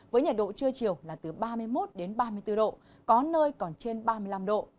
với nhiệt độ trưa chiều là từ ba mươi một đến ba mươi bốn độ có nơi còn trên ba mươi năm độ